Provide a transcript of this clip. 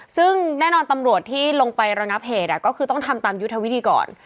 ซึ่งแน่นอนตำรวจที่ลงไประงับเหตุก็คือต้องทำตามยุทธวิธีก่อน